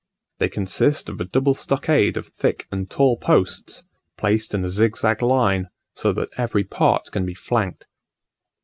They consist of a double stockade of thick and tall posts, placed in a zigzag line, so that every part can be flanked.